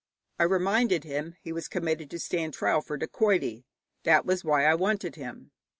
I reminded him he was committed to stand his trial for dacoity, that was why I wanted him.